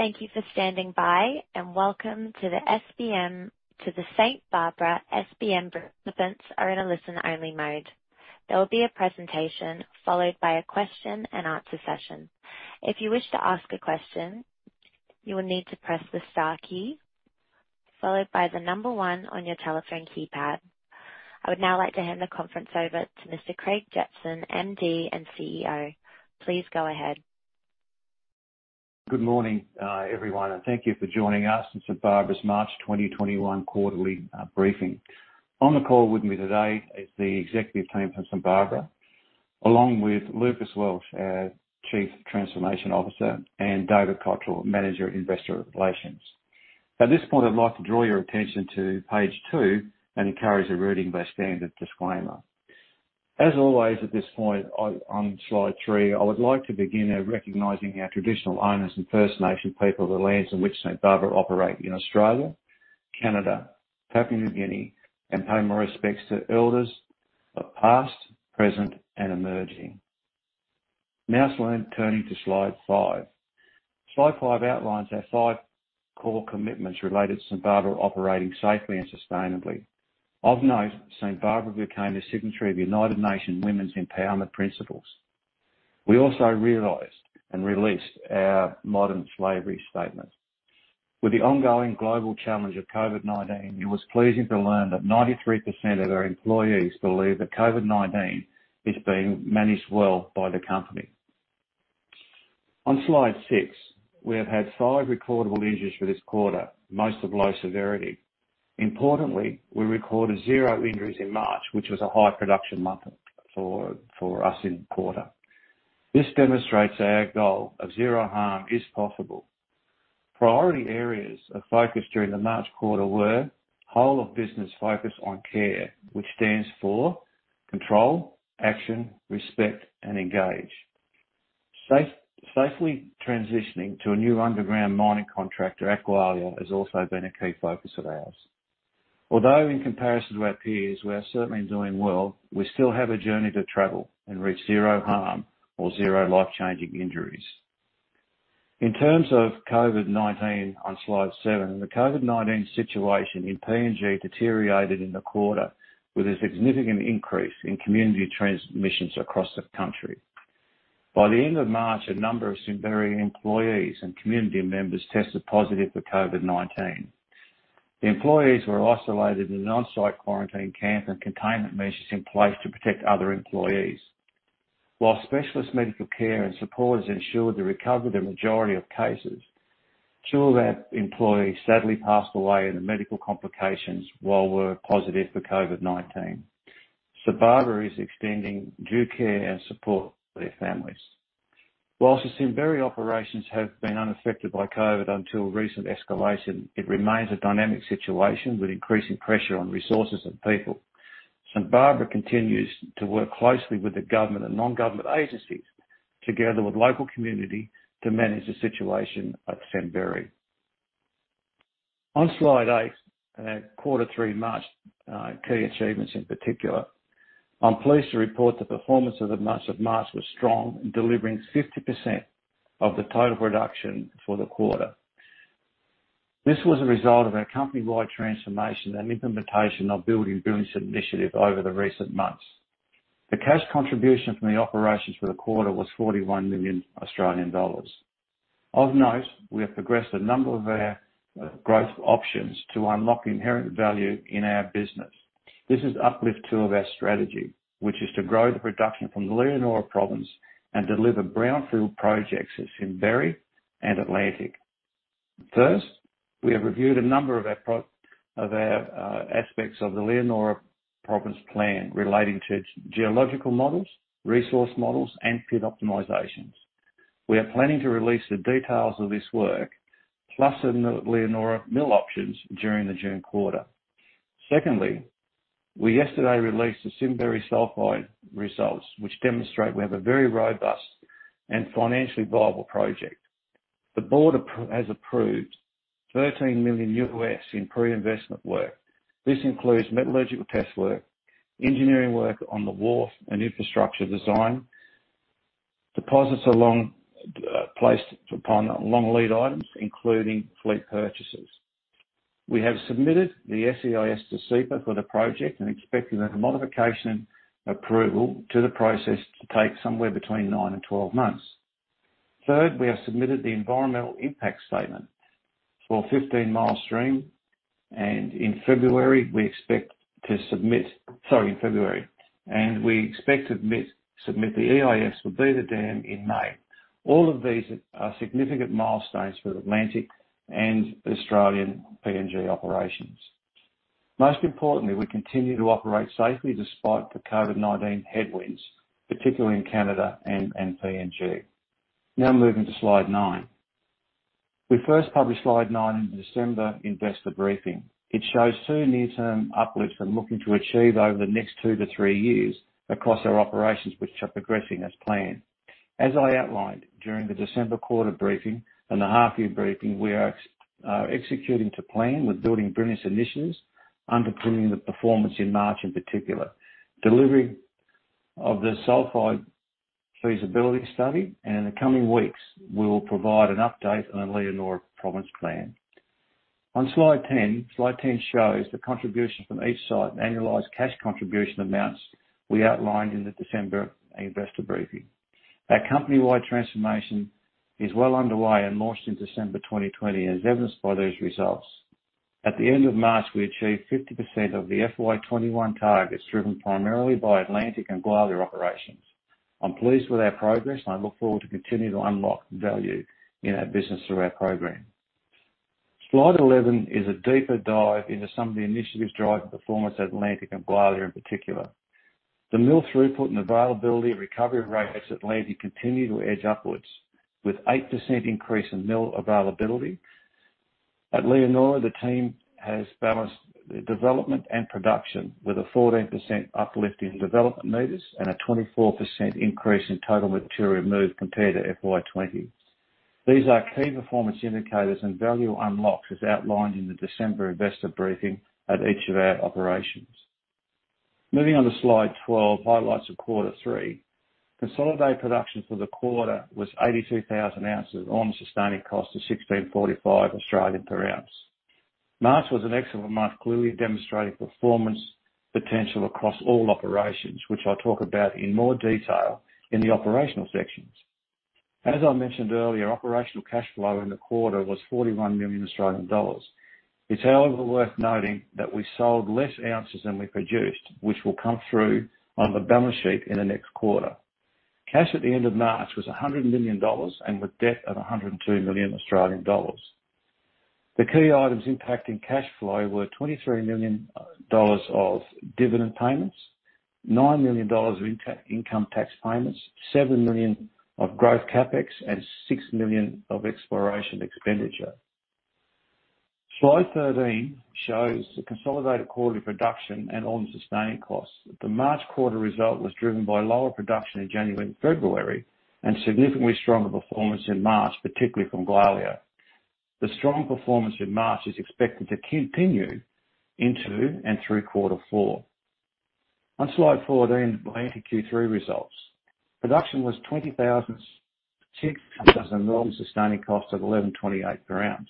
I would now like to hand the conference over to Mr. Craig Jetson, MD and CEO. Please go ahead. Good morning, everyone, and thank you for joining us in St Barbara's March 2021 quarterly briefing. On the call with me today is the executive team from St Barbara, along with Lucas Welsh, our Chief Transformation Officer, and David Cotterell, Manager, Investor Relations. At this point, I'd like to draw your attention to page two and encourage a reading of our standard disclaimer. As always, at this point on slide three, I would like to begin by recognizing our traditional owners and First Nation people of the lands in which St Barbara operate in Australia, Canada, Papua New Guinea, and pay my respects to elders of past, present, and emerging. Now turning to slide five. Slide five outlines our five core commitments related to St Barbara operating safely and sustainably. Of note, St Barbara became a signatory of United Nations Women's Empowerment Principles. We also realized and released our modern slavery statement. With the ongoing global challenge of COVID-19, it was pleasing to learn that 93% of our employees believe that COVID-19 is being managed well by the company. On slide six, we have had five recordable injuries for this quarter, most of low severity. Importantly, we recorded zero injuries in March, which was a high production month for us in the quarter. This demonstrates our goal of zero harm is possible. Priority areas of focus during the March quarter were whole of business focus on CARE, which stands for Control, Action, Respect and Engage. Safely transitioning to a new underground mining contractor, at Gwalia, has also been a key focus of ours. Although in comparison to our peers, we are certainly doing well, we still have a journey to travel and reach zero harm or zero life-changing injuries. In terms of COVID-19, on slide seven, the COVID-19 situation in PNG deteriorated in the quarter with a significant increase in community transmissions across the country. By the end of March, a number of Simberi employees and community members tested positive for COVID-19. The employees were isolated in an on-site quarantine camp and containment measures in place to protect other employees. While specialist medical care and support has ensured the recovery of the majority of cases, two of our employees sadly passed away in medical complications while they were positive for COVID-19. St Barbara is extending due care and support to their families. Whilst the Simberi operations have been unaffected by COVID until recent escalation, it remains a dynamic situation with increasing pressure on resources and people. St Barbara continues to work closely with the government and non-government agencies, together with local community, to manage the situation at Simberi. On slide eight, our quarter three March key achievements in particular. I'm pleased to report the performance of the month of March was strong, delivering 50% of the total production for the quarter. This was a result of our company-wide transformation and implementation of Building Brilliance initiative over the recent months. The cash contribution from the operations for the quarter was 41 million Australian dollars. Of note, we have progressed a number of our growth options to unlock inherent value in our business. This is uplift two of our strategy, which is to grow the production from the Leonora Province and deliver brownfield projects at Simberi and Atlantic. First, we have reviewed a number of our aspects of the Leonora Province Plan relating to geological models, resource models, and pit optimizations. We are planning to release the details of this work, plus the Leonora mill options during the June quarter. Secondly, we yesterday released the Simberi Sulphide results, which demonstrate we have a very robust and financially viable project. The board has approved $13 million in pre-investment work. This includes metallurgical test work, engineering work on the wharf and infrastructure design, deposits placed upon long lead items, including fleet purchases. We have submitted the SEIS to CEPA for the project and are expecting a modification approval to the process to take somewhere between nine and 12 months. Third, we have submitted the environmental impact statement for Fifteen Mile Stream, and in February, we expect to submit the EIS for Beaver Dam in May. All of these are significant milestones for Atlantic and Australian PNG operations. Most importantly, we continue to operate safely despite the COVID-19 headwinds, particularly in Canada and PNG. Now moving to slide nine. We first published slide nine in the December investor briefing. It shows two near-term uplifts we're looking to achieve over the next two to three years across our operations, which are progressing as planned. As I outlined during the December quarter briefing and the half year briefing, we are executing to plan with Building Brilliance initiatives, underpinning the performance in March in particular, delivering of the Sulphide Feasibility Study, and in the coming weeks, we will provide an update on the Leonora Province Plan. On slide 10, slide 10 shows the contribution from each site and annualized cash contribution amounts we outlined in the December investor briefing. Our company-wide transformation is well underway and launched in December 2020, as evidenced by those results. At the end of March, we achieved 50% of the FY 2021 targets, driven primarily by Atlantic and Gwalia operations. I'm pleased with our progress, and I look forward to continue to unlock value in our business through our program. Slide 11 is a deeper dive into some of the initiatives driving performance at Atlantic and Gwalia in particular. The mill throughput and availability and recovery rates at Atlantic continue to edge upwards, with 8% increase in mill availability. At Leonora, the team has balanced development and production with a 14% uplift in development meters and a 24% increase in total material moved compared to FY 2020. These are key performance indicators and value unlocks, as outlined in the December investor briefing at each of our operations. Moving on to slide 12, highlights of quarter three. Consolidated production for the quarter was 82,000 ounces, all-in sustaining cost of 1,645 per ounce. March was an excellent month, clearly demonstrating performance potential across all operations, which I'll talk about in more detail in the operational sections. As I mentioned earlier, operational cash flow in the quarter was 41 million Australian dollars. It's however worth noting that we sold less ounces than we produced, which will come through on the balance sheet in the next quarter. Cash at the end of March was 100 million dollars, and with debt of 102 million Australian dollars. The key items impacting cash flow were 23 million dollars of dividend payments, 9 million dollars of income tax payments, 7 million of growth CapEx, and 6 million of exploration expenditure. Slide 13 shows the consolidated quarterly production and all-in sustaining costs. The March quarter result was driven by lower production in January and February, and significantly stronger performance in March, particularly from Gwalia. The strong performance in March is expected to continue into and through quarter four. On slide 14, Atlantic Q3 results. Production was 20,600 ounces and all-in sustaining costs of 1,128 per ounce.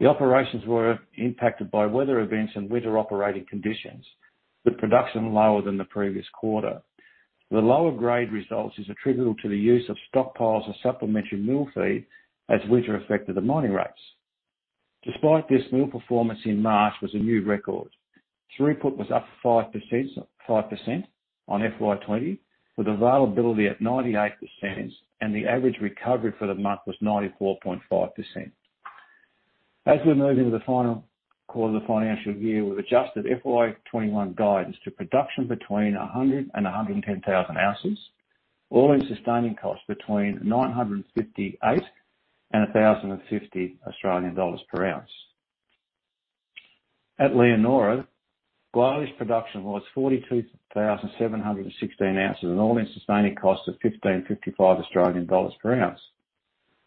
The operations were impacted by weather events and winter operating conditions, with production lower than the previous quarter. The lower grade results is attributable to the use of stockpiles of supplementary mill feed as winter affected the mining rates. Despite this, mill performance in March was a new record. Throughput was up 5% on FY 2020, with availability at 98%, and the average recovery for the month was 94.5%. As we move into the final quarter of the financial year with adjusted FY 2021 guidance to production between 100,000 and 110,000 ounces. All-in sustaining costs between 958 and 1,050 Australian dollars per ounce. At Leonora, Gwalia's production was 42,716 ounces and all-in sustaining costs of 1,555 Australian dollars per ounce.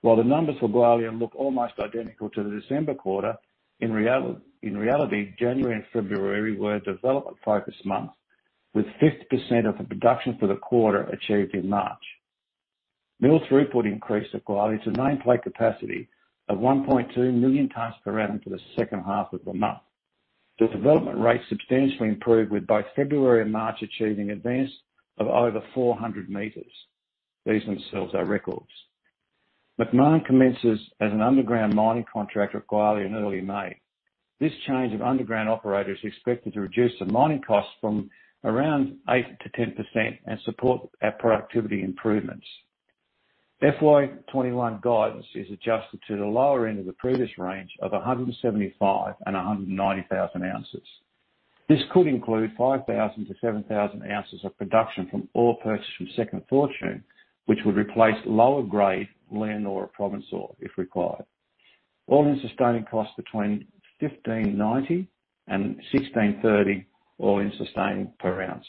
While the numbers for Gwalia look almost identical to the December quarter, in reality, January and February were development-focused months, with 50% of the production for the quarter achieved in March. Mill throughput increased at Gwalia to nameplate capacity of 1.2 million tons per annum for the second half of the month. The development rates substantially improved, with both February and March achieving advance of over 400 meters. These themselves are records. Macmahon commences as an underground mining contractor at Gwalia in early May. This change of underground operator is expected to reduce the mining costs from around 8%-10% and support our productivity improvements. FY 2021 guidance is adjusted to the lower end of the previous range of 175,000-190,000 ounces. This could include 5,000-7,000 ounces of production from ore purchased from Second Fortune, which would replace lower grade Leonora Province ore, if required. All-in sustaining cost between 1,590 and 1,630 all-in sustaining per ounce.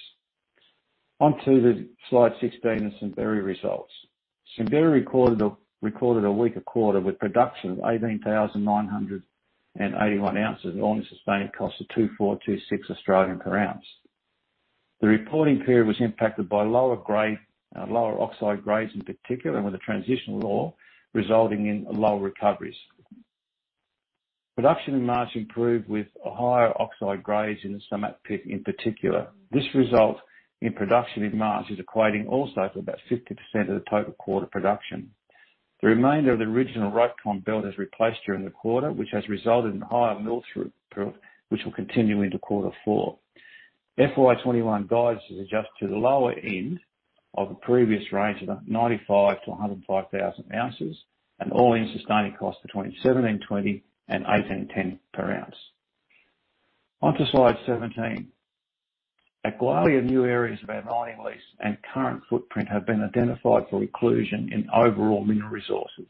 On to the slide 16 of Simberi results. Simberi recorded a weaker quarter, with production of 18,981 ounces at an all-in sustaining cost of 2,426 per ounce. The reporting period was impacted by lower oxide grades in particular, with the transitional ore resulting in lower recoveries. Production in March improved with higher oxide grades in the Samat Pit in particular. This result in production in March is equating also to about 50% of the total quarter production. The remainder of the original RopeCon belt is replaced during the quarter, which has resulted in higher mill throughput, which will continue into quarter four. FY 2021 guides has adjusted to the lower end of the previous range of about 95,000-105,000 ounces, and all-in sustaining cost between 1,720 and 1,810 per ounce. Onto slide 17. At Gwalia, new areas of our mining lease and current footprint have been identified for inclusion in overall mineral resources.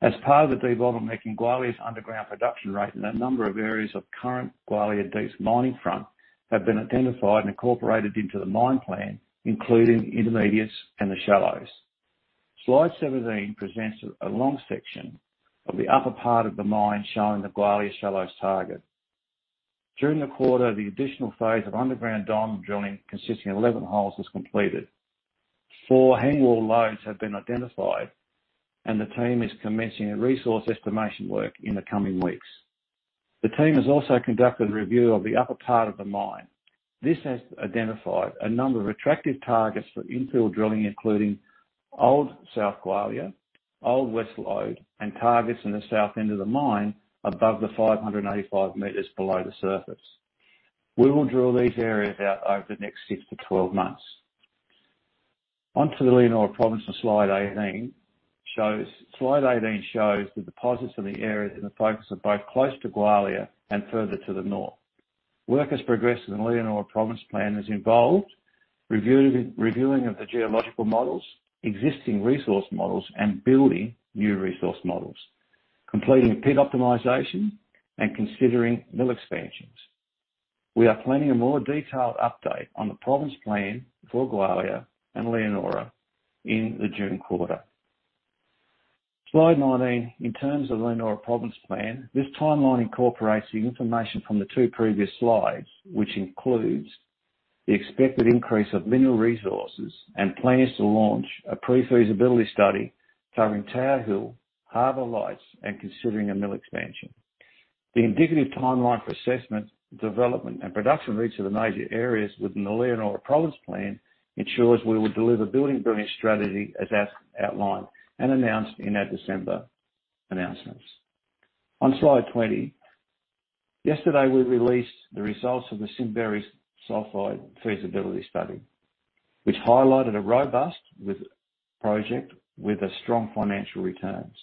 As part of the development making Gwalia's underground production rate and a number of areas of current Gwalia deeps mining front have been identified and incorporated into the mine plan, including intermediates and the Shallows. Slide 17 presents a long section of the upper part of the mine, showing the Gwalia Shallows target. During the quarter, the additional phase of underground diamond drilling, consisting of 11 holes, was completed. The team is commencing resource estimation work in the coming weeks. The team has also conducted a review of the upper part of the mine. This has identified a number of attractive targets for infill drilling, including Old South Gwalia, Old West Lode, and targets in the south end of the mine above the 585 meters below the surface. We will drill these areas out over the next 6-12 months. Onto the Leonora Province on slide 18. Slide 18 shows the deposits in the areas in the focus of both close to Gwalia and further to the north. Work has progressed in the Leonora Province Plan, is involved, reviewing of the geological models, existing resource models, and building new resource models, completing pit optimization, and considering mill expansions. We are planning a more detailed update on the Province Plan for Gwalia and Leonora in the June quarter. Slide 19. In terms of Leonora Province Plan, this timeline incorporates the information from the two previous slides, which includes the expected increase of mineral resources and plans to launch a pre-feasibility study covering Tower Hill, Harbour Lights, and considering a mill expansion. The indicative timeline for assessment, development, and production of each of the major areas within the Leonora Province Plan ensures we will deliver Building Brilliance strategy as outlined and announced in our December announcements. On slide 20. Yesterday, we released the results of the Simberi Sulphide Feasibility Study, which highlighted a robust project with strong financial returns.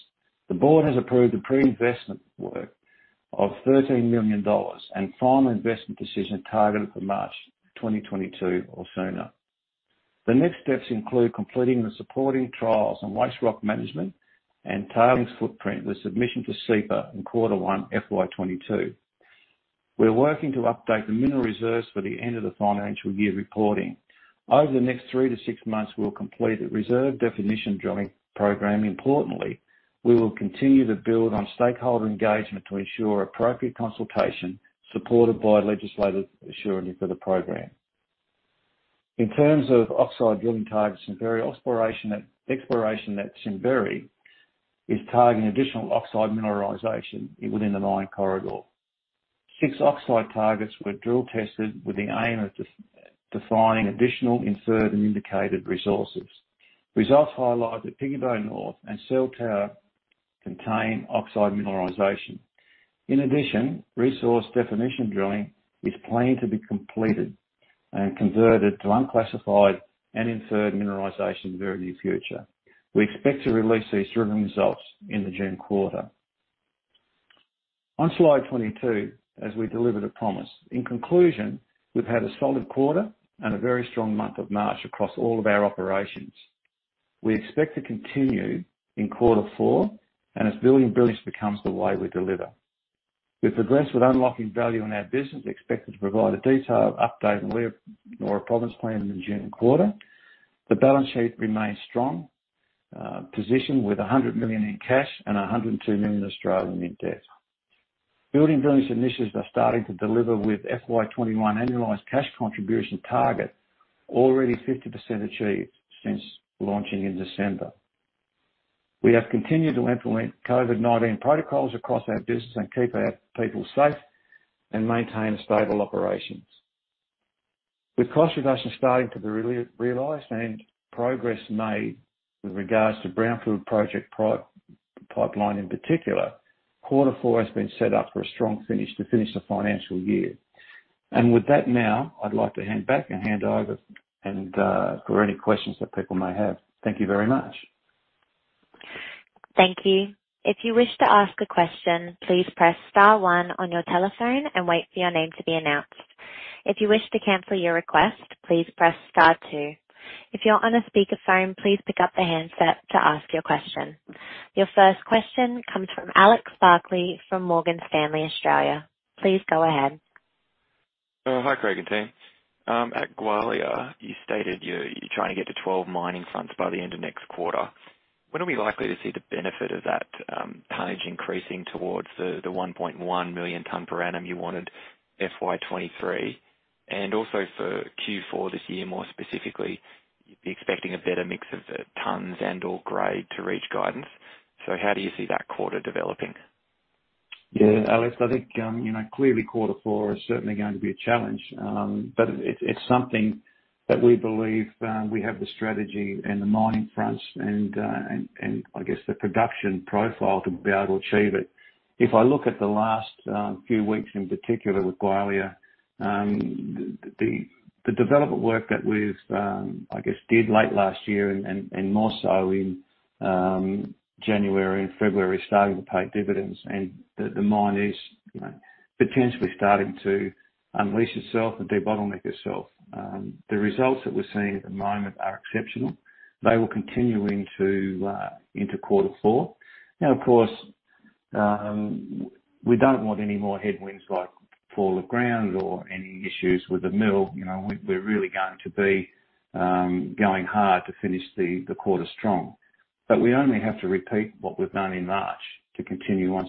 The board has approved the pre-investment work of $13 million and final investment decision targeted for March 2022 or sooner. The next steps include completing the supporting trials on waste rock management and tailings footprint, with submission to CEPA in quarter one, FY 2022. We're working to update the mineral reserves for the end of the financial year reporting. Over the next three to six months, we'll complete a reserve definition drilling program. Importantly, we will continue to build on stakeholder engagement to ensure appropriate consultation, supported by legislative assurance for the program. In terms of oxide drilling targets and exploration at Simberi, is targeting additional oxide mineralization within the mine corridor. Six oxide targets were drill-tested with the aim of defining additional inferred and indicated resources. Results highlight that Pigibo North and Cell Tower contain oxide mineralization. In addition, resource definition drilling is planned to be completed and converted to unclassified and inferred mineralization in the very near future. We expect to release these drilling results in the June quarter. On slide 22, as we deliver the promise. In conclusion, we've had a solid quarter and a very strong month of March across all of our operations. We expect to continue in quarter four, and as Building Brilliance becomes the way we deliver. We've progressed with unlocking value in our business, expected to provide a detailed update on Leonora Province Plan in the June quarter. The balance sheet remains strong, positioned with 100 million in cash and 102 million in debt. Building Brilliance initiatives are starting to deliver with FY 2021 annualized cash contribution target already 50% achieved since launching in December. We have continued to implement COVID-19 protocols across our business and keep our people safe and maintain stable operations. With cost reduction starting to be realized and progress made with regards to brownfield project pipeline in particular, quarter four has been set up for a strong finish to finish the financial year. With that now, I'd like to hand back and hand over for any questions that people may have. Thank you very much. Thank you. If you wish to ask a question, please press star one on your telephone and wait for your name to be announced. If you wish to cancel your request, please press star two. If you're on a speakerphone, please pick up the handset to ask your question. Your first question comes from Alex Barclay from Morgan Stanley, Australia. Please go ahead. Hi, Craig and team. At Gwalia, you stated you are trying to get to 12 mining fronts by the end of next quarter. When are we likely to see the benefit of that tonnage increasing towards the 1.1 million ton per annum you wanted FY 2023? Also for Q4 this year, more specifically, you would be expecting a better mix of tons and/or grade to reach guidance. How do you see that quarter developing? Yeah, Alex, I think, clearly quarter four is certainly going to be a challenge. It's something that we believe we have the strategy and the mining fronts and, I guess, the production profile to be able to achieve it. If I look at the last few weeks in particular with Gwalia, the development work that we, I guess, did late last year and more so in January and February, starting to pay dividends and the mine is potentially starting to unleash itself and debottleneck itself. The results that we're seeing at the moment are exceptional. They will continue into quarter four. Of course, we don't want any more headwinds like fall of ground or any issues with the mill. We're really going to be going hard to finish the quarter strong. We only have to repeat what we've done in March to continue on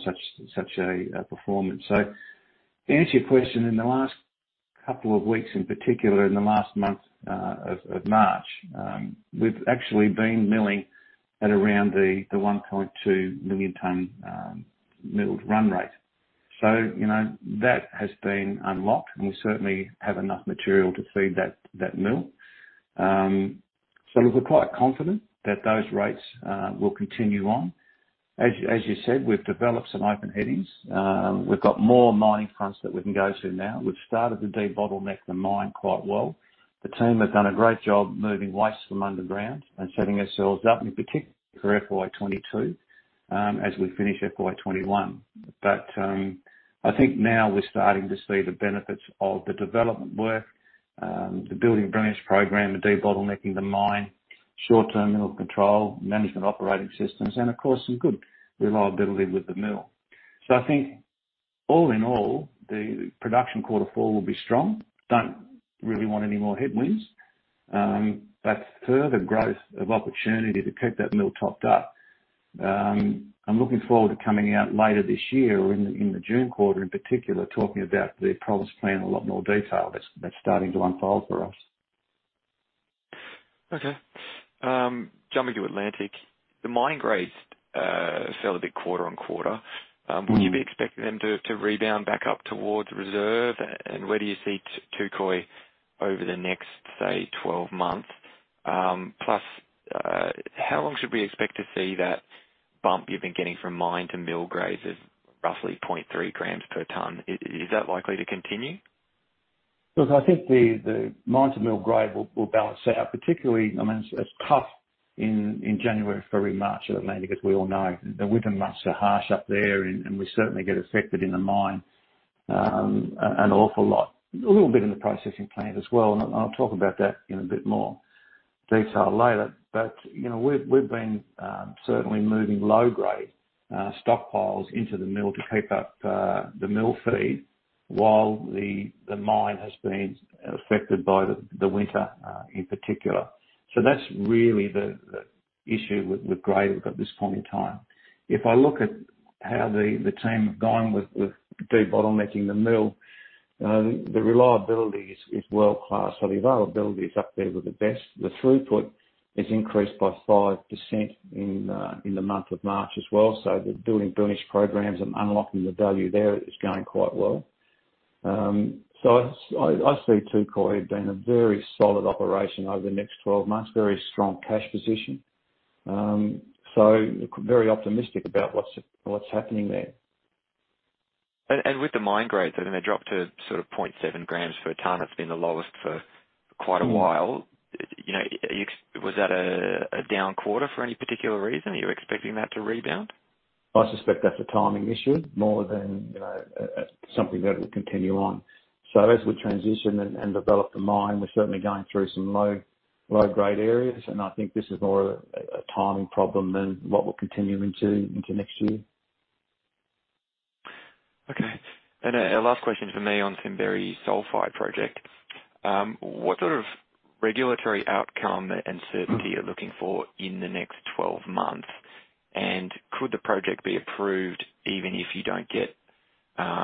such a performance. To answer your question, in the last couple of weeks, in particular in the last month of March, we've actually been milling at around the 1.2 million ton milled run rate. That has been unlocked, and we certainly have enough material to feed that mill. Look, we're quite confident that those rates will continue on. As you said, we've developed some open headings. We've got more mining fronts that we can go to now. We've started to debottleneck the mine quite well. The team have done a great job moving waste from underground and setting ourselves up, in particular for FY 2022, as we finish FY 2021. I think now we're starting to see the benefits of the development work, the Building Brilliance program, the debottlenecking the mine, short-term mill control, management operating systems, and of course, some good reliability with the mill. I think all in all, the production quarter full will be strong. Don't really want any more headwinds. Further growth of opportunity to keep that mill topped up. I'm looking forward to coming out later this year or in the June quarter in particular, talking about the province plan in a lot more detail. That's starting to unfold for us. Okay. Jumping to Atlantic. The mine grades fell a bit quarter-on-quarter. Would you be expecting them to rebound back up towards reserve? Where do you see Touquoy over the next, say, 12 months? Plus, how long should we expect to see that bump you've been getting from mine to mill grades of roughly 0.3 grams per ton? Is that likely to continue? Look, I think the mine to mill grade will balance out. It's tough in January, February, March at Touquoy, as we all know. The winters are much harsh up there, and we certainly get affected in the mine, an awful lot. A little bit in the processing plant as well, and I'll talk about that in a bit more detail later. We've been certainly moving low-grade stockpiles into the mill to keep up the mill feed while the mine has been affected by the winter in particular. That's really the issue with grade we've got at this point in time. If I look at how the team have gone with debottlenecking the mill, the reliability is world-class. The availability is up there with the best. The throughput is increased by 5% in the month of March as well. The Building Brilliance programs and unlocking the value there is going quite well. I see Touquoy being a very solid operation over the next 12 months. Very strong cash position. Very optimistic about what's happening there. With the mine grades, I mean, they dropped to sort of 0.7 grams per ton. That's been the lowest for quite a while. Was that a down quarter for any particular reason? Are you expecting that to rebound? I suspect that's a timing issue more than something that will continue on. As we transition and develop the mine, we're certainly going through some low-grade areas, and I think this is more a timing problem than what we'll continue into next year. Okay. A last question from me on Simberi Sulfide Project. What sort of regulatory outcome and certainty are you looking for in the next 12 months? Could the project be approved even if you don't get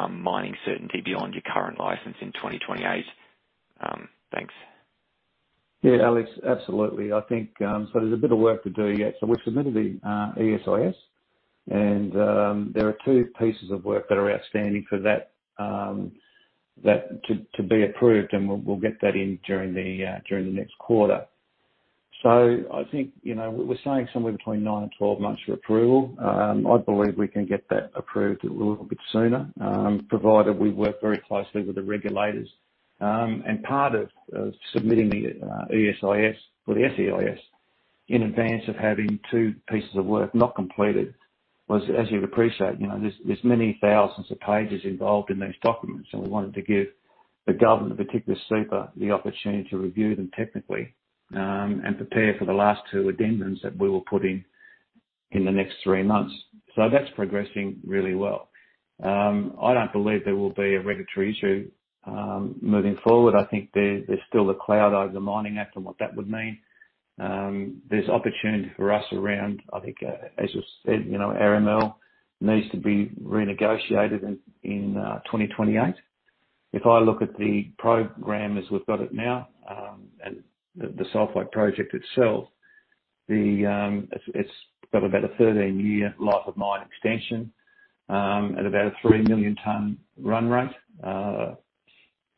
mining certainty beyond your current license in 2028? Thanks. Yeah, Alex, absolutely. There's a bit of work to do yet. We've submitted the SEIS, there are two pieces of work that are outstanding for that to be approved, we'll get that in during the next quarter. I think, we're saying somewhere between nine and 12 months for approval. I believe we can get that approved a little bit sooner, provided we work very closely with the regulators. Part of submitting the SEIS or the SEIS in advance of having two pieces of work not completed was, as you'd appreciate, there's many thousands of pages involved in these documents. We wanted to give the government, in particular CEPA, the opportunity to review them technically, and prepare for the last two addendums that we will put in the next three months. That's progressing really well. I don't believe there will be a regulatory issue, moving forward. I think there's still a cloud over the Mining Act and what that would mean. There's opportunity for us around, I think, as you said, ML needs to be renegotiated in 2028. If I look at the program as we've got it now, and the Sulfide project itself, it's got about a 13-year life of mine extension, at about a 3 million ton run rate.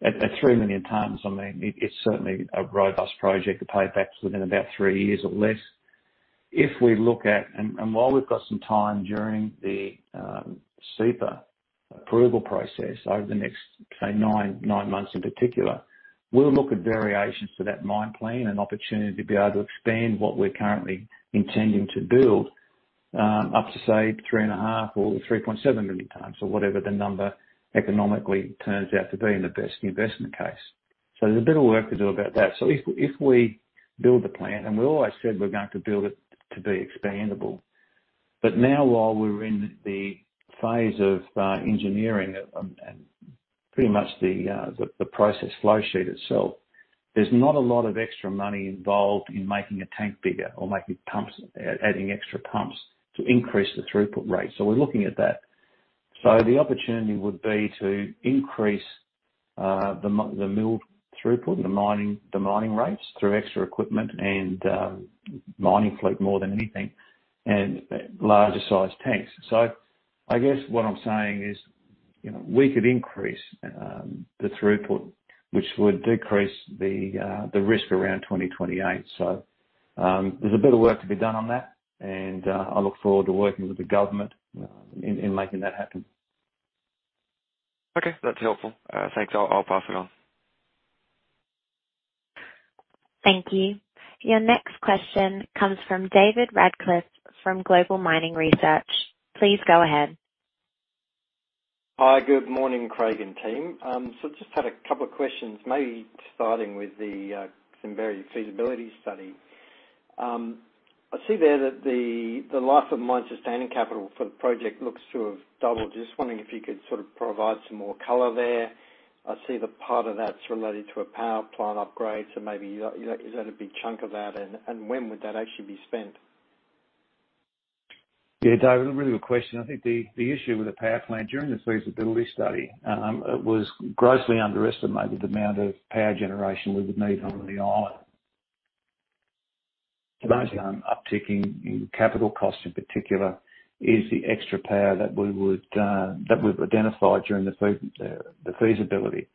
At 3 million tons, I mean, it's certainly a robust project to pay it back within about three years or less. While we've got some time during the CEPA approval process over the next, say, nine months in particular, we'll look at variations to that mine plan and opportunity to be able to expand what we're currently intending to build, up to, say, 3.5 or 3.7 million tons or whatever the number economically turns out to be in the best investment case. There's a bit of work to do about that. If we build the plant, and we always said we're going to build it to be expandable. Now, while we're in the phase of engineering and pretty much the process flowsheet itself, there's not a lot of extra money involved in making a tank bigger or adding extra pumps to increase the throughput rate. We're looking at that. The opportunity would be to increase the mill throughput, the mining rates through extra equipment and mining fleet more than anything, and larger size tanks. I guess what I'm saying is, we could increase the throughput, which would decrease the risk around 2028. There's a bit of work to be done on that, and I look forward to working with the government in making that happen. Okay. That's helpful. Thanks. I'll pass it on. Thank you. Your next question comes from David Radclyffe from Global Mining Research. Please go ahead. Hi. Good morning, Craig and team. Just had a couple of questions, maybe starting with the Simberi feasibility study. I see there that the life of mine sustaining capital for the project looks to have doubled. Just wondering if you could sort of provide some more color there. I see the part of that's related to a power plant upgrade, so maybe is that a big chunk of that and when would that actually be spent? Yeah, David, a really good question. I think the issue with the power plant during the feasibility study, it was grossly underestimated the amount of power generation we would need on the island. The most upticking in capital costs, in particular, is the extra power that we've identified during the feasibility.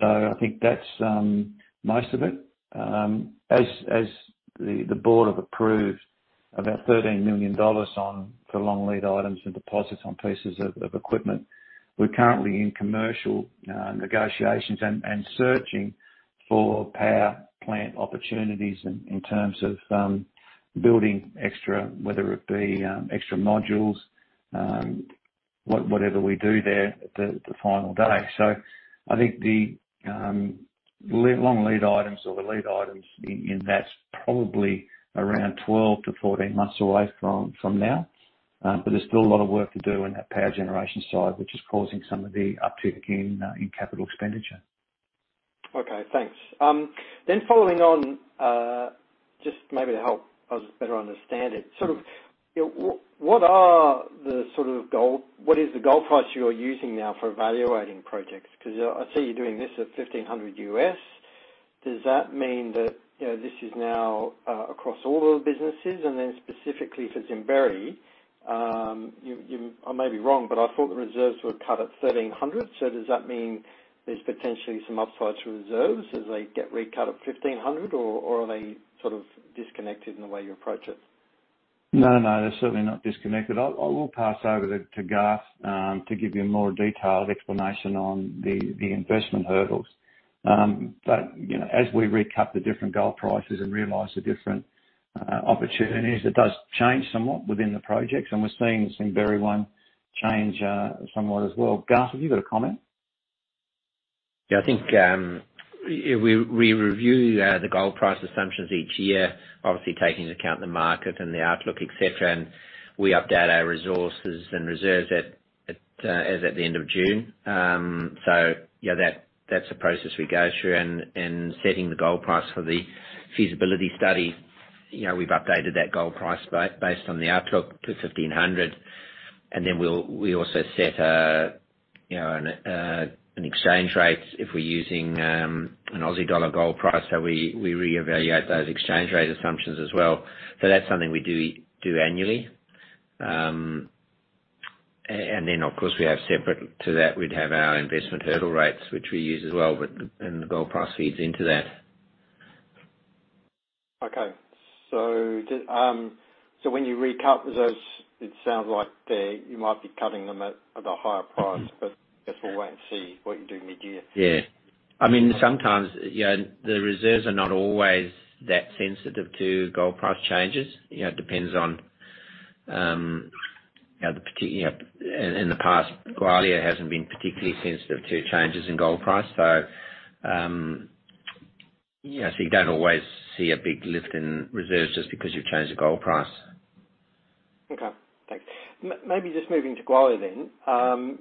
I think that's most of it. As the Board have approved about $13 million for long lead items and deposits on pieces of equipment, we're currently in commercial negotiations and searching for power plant opportunities in terms of building, whether it be extra modules, whatever we do there at the final day. I think the long lead items or the lead items in that's probably around 12-14 months away from now. There's still a lot of work to do in that power generation side, which is causing some of the uptick in capital expenditure. Okay. Thanks. Following on, just maybe to help us better understand it. What is the gold price you're using now for evaluating projects? I see you're doing this at $1,500. Does that mean that this is now across all the businesses? Specifically for Simberi, I may be wrong, but I thought the reserves were cut at 1,300. Does that mean there's potentially some upsides for reserves as they get recut at 1,500, or are they sort of disconnected in the way you approach it? No, no, they're certainly not disconnected. I will pass over to Garth to give you a more detailed explanation on the investment hurdles. As we recut the different gold prices and realize the different opportunities, it does change somewhat within the projects, and we're seeing Simberi one change somewhat as well. Garth, have you got a comment? Yeah, I think, we review the gold price assumptions each year, obviously taking into account the market and the outlook, et cetera, and we update our resources and reserves as at the end of June. Yeah, that's a process we go through. Setting the gold price for the feasibility study, we've updated that gold price based on the outlook to 1,500, and then we also set an exchange rate if we're using an Aussie dollar gold price. We reevaluate those exchange rate assumptions as well. That's something we do annually. Then, of course, separate to that, we'd have our investment hurdle rates, which we use as well, and the gold price feeds into that. Okay. When you recut reserves, it sounds like you might be cutting them at a higher price, but we'll wait and see what you do mid-year. Sometimes the reserves are not always that sensitive to gold price changes. In the past, Gwalia hasn't been particularly sensitive to changes in gold price. You don't always see a big lift in reserves just because you've changed the gold price. Okay. Thanks. Maybe just moving to Gwalia.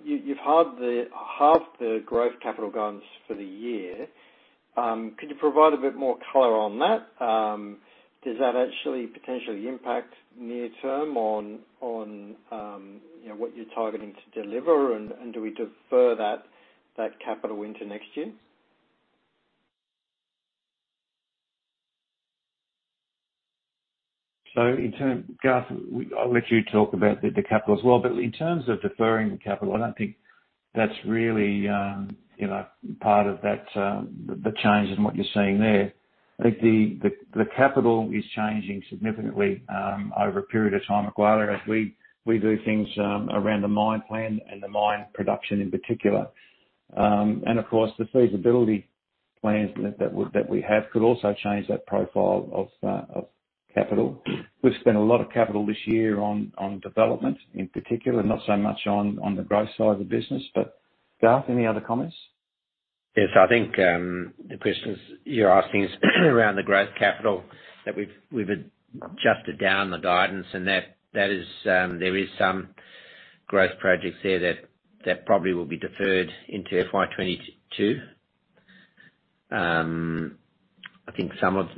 You've halved the growth capital guidance for the year. Could you provide a bit more color on that? Does that actually potentially impact near-term on what you're targeting to deliver? Do we defer that capital into next year? Garth, I'll let you talk about the capital as well. In terms of deferring the capital, I don't think that's really part of the change in what you're seeing there. I think the capital is changing significantly over a period of time at Gwalia as we do things around the mine plan and the mine production in particular. Of course, the feasibility plans that we have could also change that profile of capital. We've spent a lot of capital this year on development, in particular, not so much on the growth side of the business. Garth, any other comments? I think the questions you're asking is around the growth capital that we've adjusted down the guidance and there is some growth projects there that probably will be deferred into FY 2022. I think some of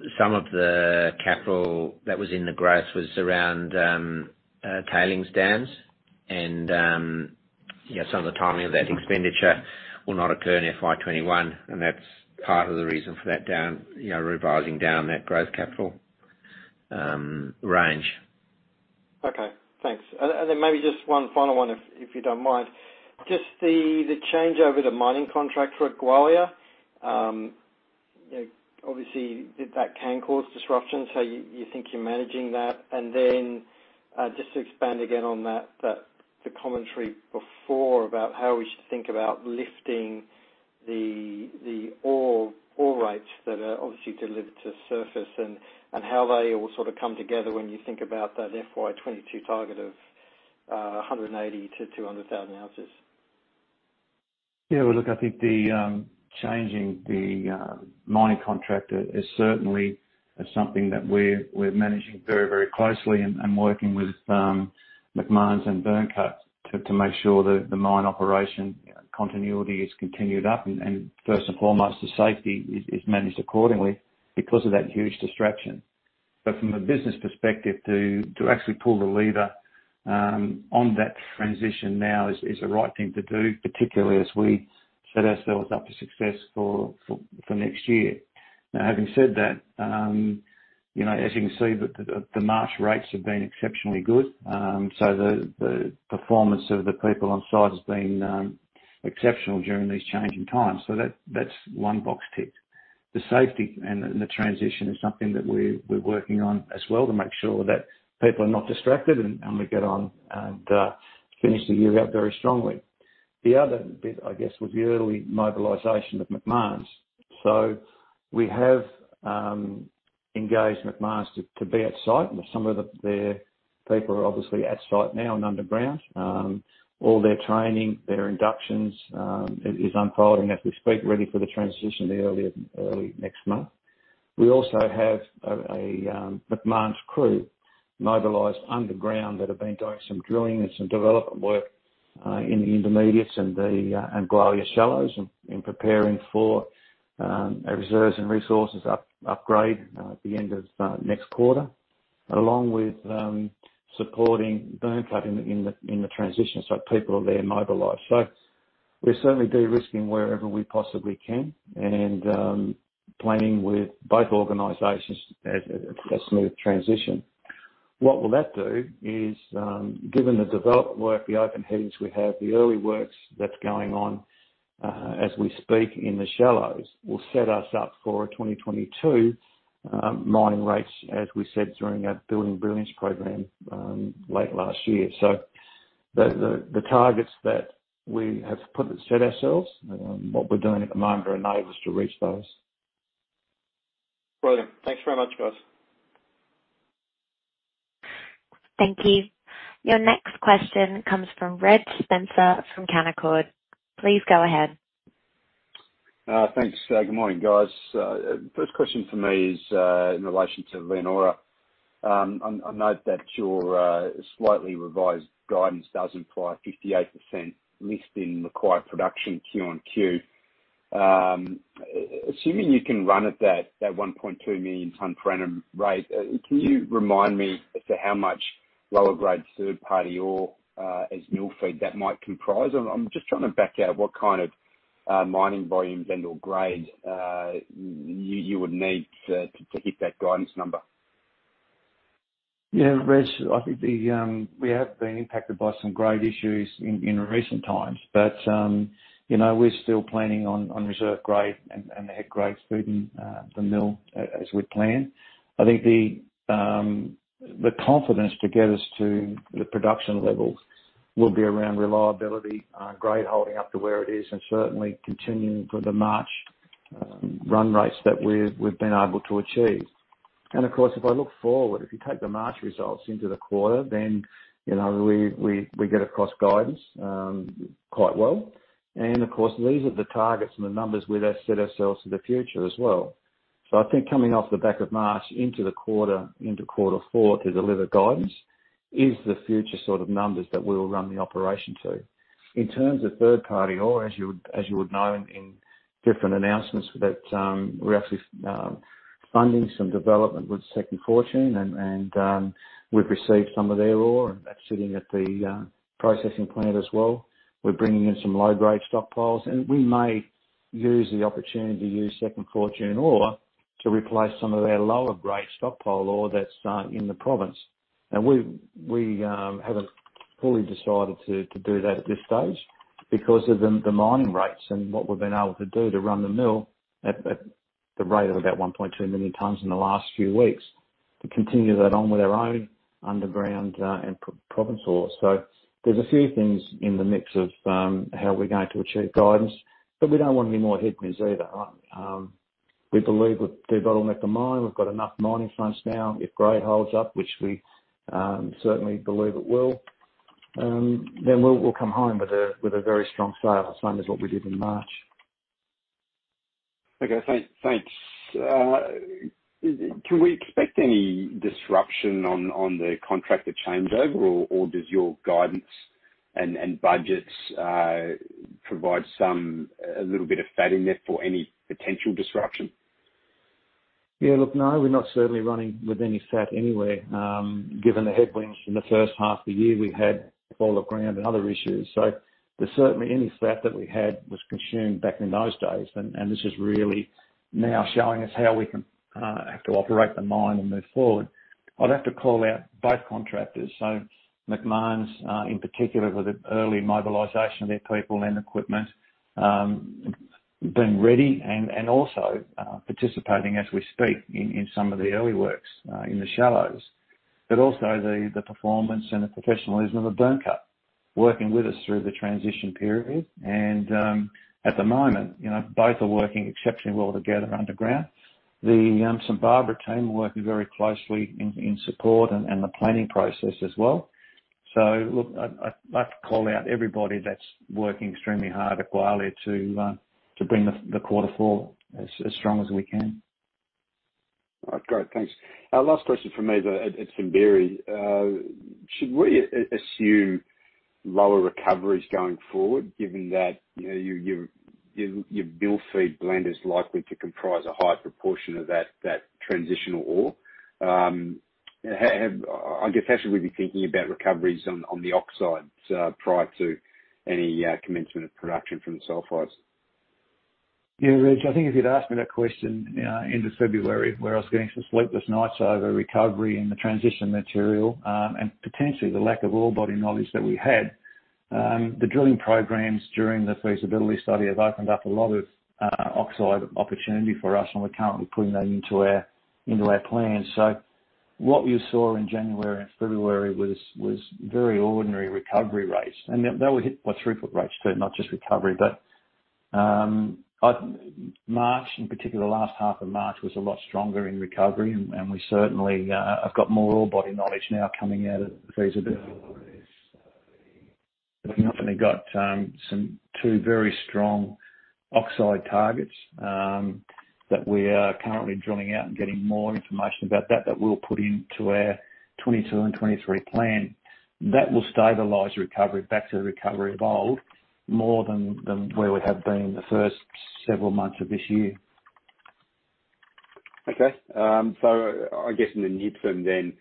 the capital that was in the growth was around tailings dams and some of the timing of that expenditure will not occur in FY 2021, and that's part of the reason for that revising down that growth capital range. Okay, thanks. Then maybe just one final one, if you don't mind. Just the change over the mining contract for Gwalia. Obviously, that can cause disruption, so you think you're managing that. Then, just to expand again on the commentary before about how we should think about lifting the ore rates that are obviously delivered to surface, and how they all sort of come together when you think about that FY22 target of 180,000-200,000 ounces. Yeah. Well, look, I think changing the mining contract is certainly something that we're managing very closely and working with Macmahon's and Byrnecut to make sure that the mine operation continuity is continued up, and first and foremost, the safety is managed accordingly because of that huge distraction. From a business perspective, to actually pull the lever on that transition now is the right thing to do, particularly as we set ourselves up for success for next year. Having said that, as you can see, the march rates have been exceptionally good. The performance of the people on site has been exceptional during these changing times. That's one box ticked. The safety and the transition is something that we're working on as well to make sure that people are not distracted, and we get on and finish the year out very strongly. The other bit, I guess, was the early mobilization of Macmahon's. We have engaged Macmahon's to be at site, and some of their people are obviously at site now and underground. All their training, their inductions, is unfolding as we speak, ready for the transition early next month. We also have a Macmahon's crew mobilized underground that have been doing some drilling and some development work, in the intermediates and Gwalia Shallows in preparing for a reserves and resources upgrade at the end of next quarter, along with supporting Byrnecut in the transition. People are there mobilized. We're certainly de-risking wherever we possibly can and planning with both organizations as a smooth transition. What will that do is, given the development work, the open headings we have, the early works that's going on as we speak in the Shallows, will set us up for 2022 mining rates, as we said during our Building Brilliance program late last year. The targets that we have set ourselves, what we're doing at the moment will enable us to reach those. Brilliant. Thanks very much, guys. Thank you. Your next question comes from Reg Spencer from Canaccord. Please go ahead. Thanks. Good morning, guys. First question for me is, in relation to Leonora. I note that your slightly revised guidance does imply 58% lift in required production Q on Q. Assuming you can run at that 1.2 million ton per annum rate, can you remind me as to how much lower grade third-party ore as mill feed that might comprise? I'm just trying to back out what kind of mining volumes and/or grade you would need to hit that guidance number. Yeah, Reg, I think we have been impacted by some grade issues in recent times. We're still planning on reserve grade and the head grade feeding the mill as we'd planned. I think the confidence to get us to the production levels will be around reliability, grade holding up to where it is, and certainly continuing for the March run rates that we've been able to achieve. Of course, if I look forward, if you take the March results into the quarter, we get across guidance quite well. Of course, these are the targets and the numbers we set ourselves for the future as well. I think coming off the back of March into quarter four to deliver guidance is the future sort of numbers that we'll run the operation to. In terms of third-party ore, as you would know in different announcements, that we're actually funding some development with Second Fortune and we've received some of their ore, and that's sitting at the processing plant as well. We're bringing in some low-grade stockpiles, and we may use the opportunity to use Second Fortune ore to replace some of our lower-grade stockpile ore that's in the province. We haven't fully decided to do that at this stage because of the mining rates and what we've been able to do to run the mill at the rate of about 1.2 million tons in the last few weeks, to continue that on with our own underground and province ore. There's a few things in the mix of how we're going to achieve guidance, but we don't want any more headwinds either. We believe that through bottleneck of mine, we've got enough mining fronts now. If grade holds up, which we certainly believe it will, we'll come home with a very strong sale, same as what we did in March. Okay, thanks. Can we expect any disruption on the contractor changeover, or does your guidance and budgets provide a little bit of fat in there for any potential disruption? Yeah, look, no, we're not certainly running with any fat anywhere. Given the headwinds from the first half of the year, we had fall of ground and other issues. Certainly, any fat that we had was consumed back in those days, and this is really now showing us how we have to operate the mine and move forward. I'd have to call out both contractors. Macmahon's, in particular, with the early mobilization of their people and equipment being ready and also participating as we speak in some of the early works in the shallows. Also the performance and the professionalism of Byrnecut working with us through the transition period. At the moment, both are working exceptionally well together underground. The St Barbara team working very closely in support and the planning process as well. Look, I'd like to call out everybody that's working extremely hard at Gwalia to bring the quarter forward as strong as we can. All right, great. Thanks. Last question from me. It's from Simberi. Should we assume lower recoveries going forward given that your mill feed blend is likely to comprise a high proportion of that transitional ore? I guess, how should we be thinking about recoveries on the oxides prior to any commencement of production from the sulfides? Yeah, Reg, I think if you'd asked me that question end of February, where I was getting some sleepless nights over recovery and the transition material, and potentially the lack of ore body knowledge that we had. The drilling programs during the feasibility study have opened up a lot of oxide opportunity for us, and we're currently putting that into our plans. What you saw in January and February was very ordinary recovery rates. They were hit by throughput rates, too, not just recovery. March, in particular, last half of March, was a lot stronger in recovery, and we certainly have got more ore body knowledge now coming out of the feasibility study. We've definitely got two very strong oxide targets that we are currently drilling out and getting more information about that we'll put into our 2022 and 2023 plan. That will stabilize recovery back to the recovery of old more than where we have been the first several months of this year. Okay. I guess in the near term then,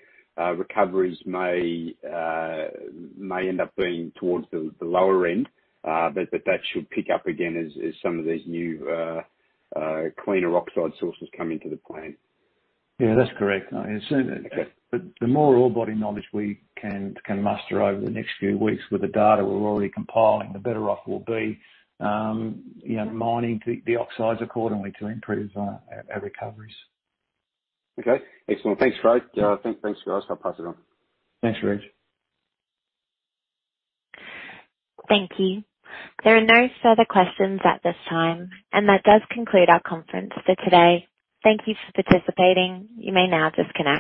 recoveries may end up being towards the lower end. That should pick up again as some of these new cleaner oxide sources come into the plan. Yeah, that's correct. Okay. The more ore body knowledge we can muster over the next few weeks with the data we're already compiling, the better off we'll be mining the oxides accordingly to improve our recoveries. Okay, excellent. Thanks, Craig. Thanks for asking. I'll pass it on. Thanks, Reg. Thank you. There are no further questions at this time, and that does conclude our conference for today. Thank you for participating. You may now disconnect.